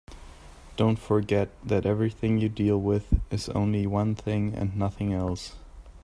Don't forget that everything you deal with is only one thing and nothing else.